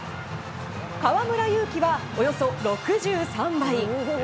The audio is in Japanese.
河村勇輝は、およそ６３倍。